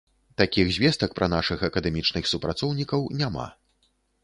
Такіх звестак пра нашых акадэмічных супрацоўнікаў няма.